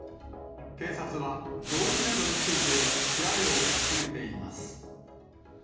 警察は、動機などについて調べを進めています。